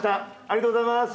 ありがとうございます。